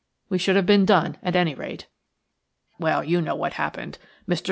We should have been done, at any rate. "Well! you know what happened. Mr.